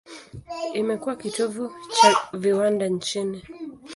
Imekuwa kitovu cha viwanda nchini.